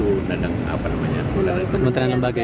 undang undang apa namanya kementerian lembaga